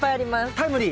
タイムリー？